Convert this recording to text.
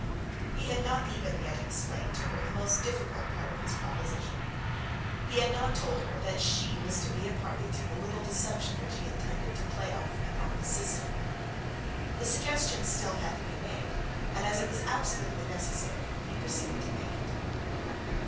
He had not even yet explained to her the most difficult part of his proposition; he had not told her that she was to be a party to the little deception which he intended to play off upon his sister. This suggestion had still to be made, and as it was absolutely necessary, he proceeded to make it.